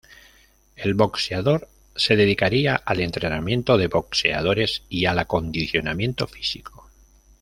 El boxeador se dedicaría al entrenamiento de boxeadores y al acondicionamiento físico.